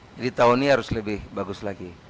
jadi tahun ini harus lebih bagus lagi